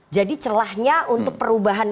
jadi celahnya untuk perubahan